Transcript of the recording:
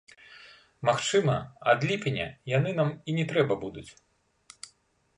Магчыма, ад ліпеня яны нам і не трэба будуць.